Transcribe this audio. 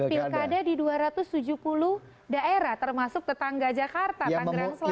pik ada di dua ratus tujuh puluh daerah termasuk tetangga jakarta manggerang selatan gitu ya